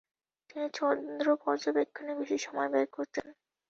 তিনি চন্দ্র পর্যবেক্ষণেই বেশি সময় ব্যয় করতেন।